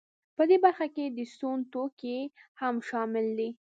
په دې برخه کې د سون توکي هم شامل دي